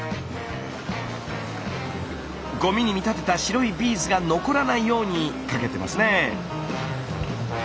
ゴミに見立てた白いビーズが残らないようにかけてますね。